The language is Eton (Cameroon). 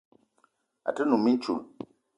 A te num mintchoul